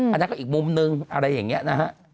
อันนั้นก็อีกมุมนึงอะไรอย่างนี้นะฮะ